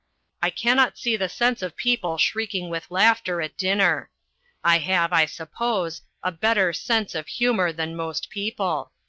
I cannot see the sense of people shrieking with laughter at dinner. I have, I suppose, a better sense of humour than most people.